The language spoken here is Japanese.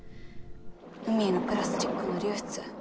海へのプラスチックの流出。